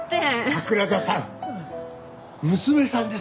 桜田さん娘さんですよ。